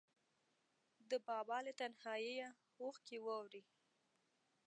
د بابا له تنهاییه اوښکې ووري